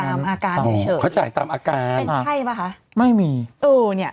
อาการเฉยเฉยเขาจ่ายตามอาการเป็นไข้ป่ะคะไม่มีเออเนี้ย